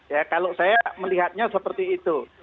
ya kalau saya melihatnya seperti itu